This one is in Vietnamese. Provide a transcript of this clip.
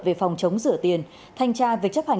về phòng chống rửa tiền thanh tra việc chấp hành